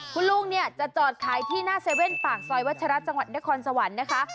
คุณลุงเนี่ยจะจอดขายที่หน้าเว่นปากซอยวัชระจังหวัดนครสวรรค์นะคะ